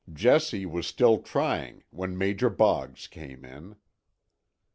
Jesse was still trying when Major Boggs came in.